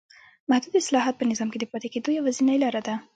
محدود اصلاحات په نظام کې د پاتې کېدو یوازینۍ لار ده.